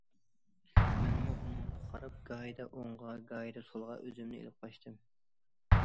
مەنمۇ ئۇنىڭغا قاراپ گاھىدا ئوڭغا، گاھىدا سولغا ئۆزۈمنى ئېلىپ قاچتىم.